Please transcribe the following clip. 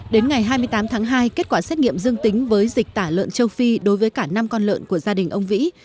đến ngày hai mươi tám tháng hai kết quả xét nghiệm dương tính với dịch tả lợn châu phi đối với cả năm con lợn của gia đình ông vĩ